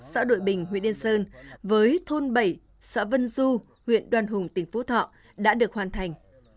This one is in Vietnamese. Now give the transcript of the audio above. xã đội bình huyện đen sơn với thôn bảy xã vân du huyện đoàn hùng tỉnh phú thọ đã được hoàn thành